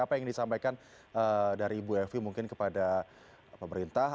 apa yang ingin disampaikan dari ibu evi mungkin kepada pemerintah